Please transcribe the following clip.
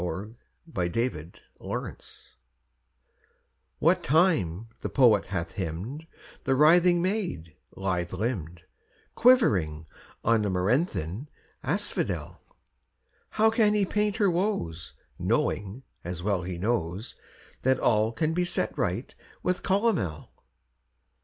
POETRY EVERYWHERE WHAT time the poet hath hymned The writhing maid, lithe limbed, Quivering on amaranthine asphodel, How can he paint her woes, Knowing, as well he knows, That all can be set right with calomel?